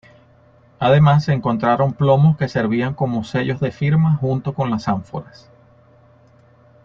Además, se encontraron plomos que servían como sellos de firma junto con las ánforas.